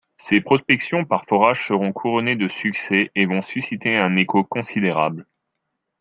Ses prospections par forages seront couronnées de succès et vont susciter un écho considérable.